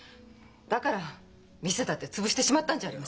だから店だって潰してしまったんじゃありませんか。